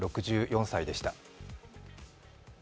６４歳でした。